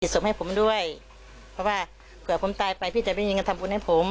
ศพให้ผมด้วยเพราะว่าเผื่อผมตายไปพี่จะไม่มีเงินทำบุญให้ผม